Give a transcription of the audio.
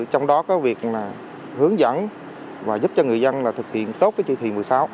trong đó có việc hướng dẫn và giúp cho người dân thực hiện tốt cái chỉ thị một mươi sáu